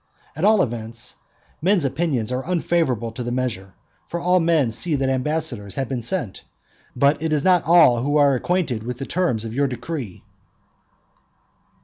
At all events, men's opinions are unfavourable to the measure; for all men see that ambassadors have been sent, but it is not all who are acquainted with the terms of your decree.